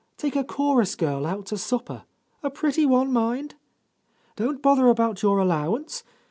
Take a chorus girl out to supper — a pretty one, mind! Don't bother about your allowance.